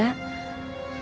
harus berubah bu